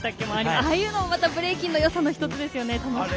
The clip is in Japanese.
ああいうのもブレイキンのよさの１つですよね。